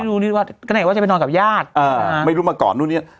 ไม่รู้ว่ากระแหน่งว่าจะไปนอนกับญาติไม่รู้มาก่อนนู่นเนี่ย